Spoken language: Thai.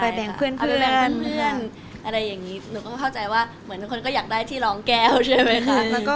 แบ่งเพื่อนเพื่อนอะไรอย่างนี้หนูก็เข้าใจว่าเหมือนทุกคนก็อยากได้ที่ร้องแก้วใช่ไหมคะ